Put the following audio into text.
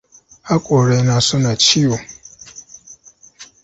Hakorai na suna ciwo.